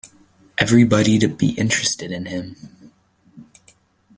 Everybody'd be interested in him.